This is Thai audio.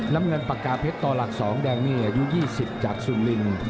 น้ำเงินปากกาเพชรต่อหลักสองแดงนี่อายุยี่สิบจากสุริน